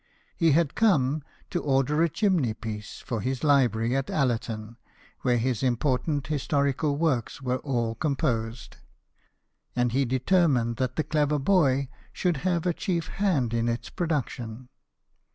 He had come to order a chimney piece for his library at Allerton, where his important historical works were all composed ; and he determined that the clever boy should have a chief hand in its production.